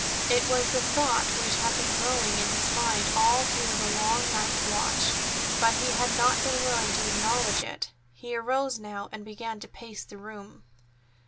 It was the thought which had been growing in his mind all through the long night watch, but he had not been willing to acknowledge it. He arose now and began to pace the room.